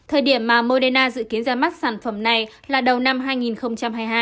thời điểm mà moderna dự kiến ra mắt sản phẩm này là đầu năm hai nghìn hai mươi hai